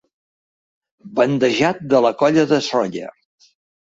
Bandejat de la Colla de Sóller.